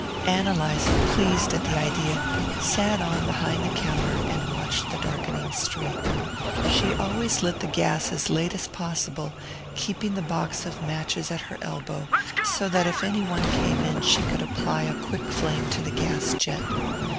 Ann Eliza, pleased at the idea, sat on behind the counter and watched the darkening street. She always lit the gas as late as possible, keeping the box of matches at her elbow, so that if any one came she could apply a quick flame to the gas jet.